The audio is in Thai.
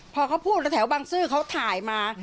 พอเขาพูดแถวบังซื้อเขาถ่ายมา